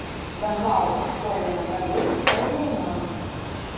Заклаў у школьныя гады пэўную базу.